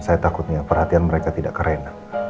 saya takutnya perhatian mereka tidak keren